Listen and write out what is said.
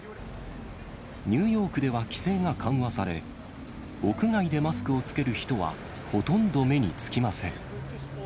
ニューヨークでは規制が緩和され、屋外でマスクを着ける人はほとんど目につきません。